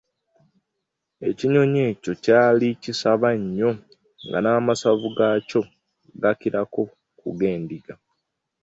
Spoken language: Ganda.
Ekinyonyi ekyo ky'ali kisava nnyo, nga n'amasavu g'akyo gakirako ku g'endiga.